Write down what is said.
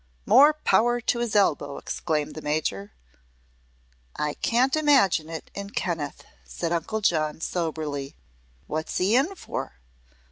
"More power to his elbow!" exclaimed the Major. "I can't imagine it in Kenneth," said Uncle John, soberly. "What's he in for?"